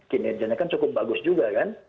kinerjanya kan cukup bagus juga kan